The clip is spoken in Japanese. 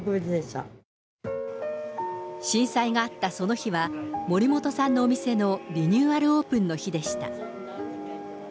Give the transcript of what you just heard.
震災があったその日は、森本さんのお店のリニューアルオープンの日でした。